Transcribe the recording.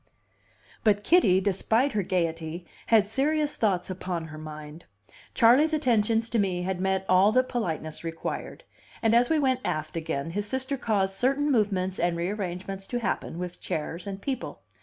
But Kitty, despite her gayety, had serious thoughts upon her mind. Charley's attentions to me had met all that politeness required, and as we went aft again, his sister caused certain movements and rearrangements to happen with chairs and people.